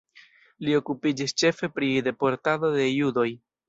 Li okupiĝis ĉefe pri deportado de judoj.